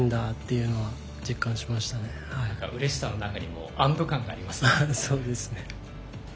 うれしさの中にも安ど感がありますね。